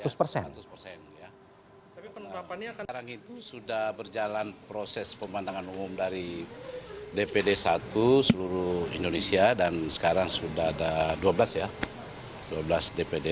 sekarang itu sudah berjalan proses pemantangan umum dari dpd satu seluruh indonesia dan sekarang sudah ada dua belas ya dua belas dpd